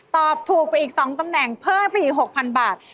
ตอบถูกไปอีก๒ตำแหน่งเพิ่มไปอีก๖๐๐๐บาท